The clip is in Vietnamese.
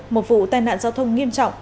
một vụ tai nạn giao thông nghiêm trọng